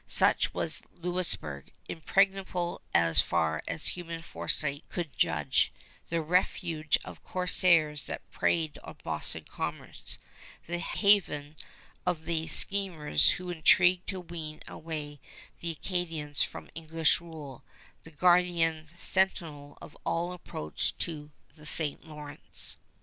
Such was Louisburg, impregnable as far as human foresight could judge, the refuge of corsairs that preyed on Boston commerce; the haven of the schemers who intrigued to wean away the Acadians from English rule, the guardian sentinel of all approach to the St. Lawrence.